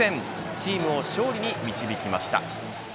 チームを勝利に導きました。